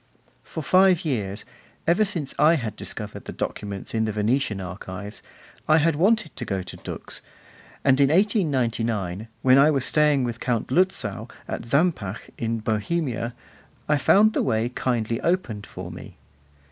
For five years, ever since I had discovered the documents in the Venetian archives, I had wanted to go to Dux; and in 1899, when I was staying with Count Lutzow at Zampach, in Bohemia, I found the way kindly opened for me.